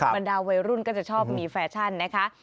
บรรดาวัยรุ่นก็จะชอบมีแฟชั่นนะคะ